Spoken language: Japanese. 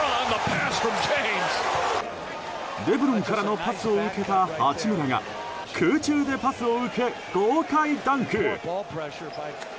レブロンからのパスを受けた八村が空中でパスを受け、豪快ダンク！